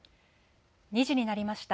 ２時になりました。